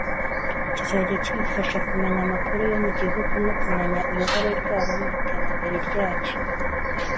kizajya kibafasha kumenya amakuru yo mu gihugu no kumenya uruhare rwabo mu iterambere ryacyo